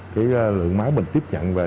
cái lượng máu mình tiếp nhận về